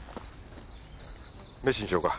メシにしようか。